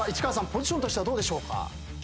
ポジションとしてはどうでしょうか？